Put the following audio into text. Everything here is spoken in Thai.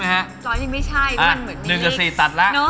เฮ้ยอ่ะ๑กับ๔ตัดแล้ว